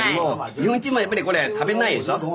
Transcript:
日本人もやっぱりこれ食べないでしょ。